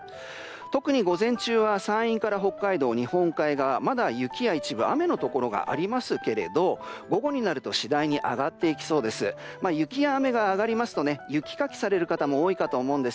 特に午前中は山陰から北海道、日本海側はまだ雪や一部雨のところがありますけれど午後になると次第に上がっていきそうです。